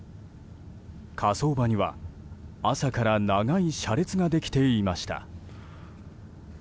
火葬場には朝から長い車列ができていました。